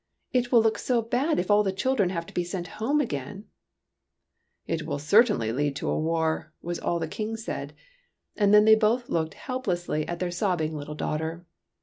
" It will look so very bad if all the children have to be sent home again !"" It will certainly lead to a war," was all the King said; and then they both looked help lessly at their sobbing little daughter.